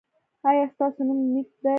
ایا ستاسو نوم نیک دی؟